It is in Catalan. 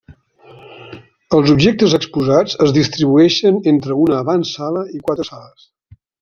Els objectes exposats es distribueixen entre una avantsala i quatre sales.